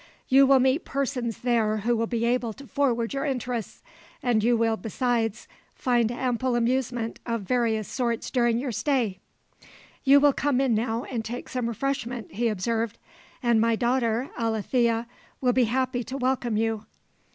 You will meet persons there who will be able to forward your interests, and you will besides find ample amusement of various sorts during your stay. You will come in now, and take some refreshment," he observed; "and my daughter Alethea will be happy to welcome you.